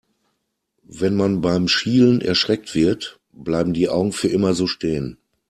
Wenn man beim Schielen erschreckt wird, bleiben die Augen für immer so stehen.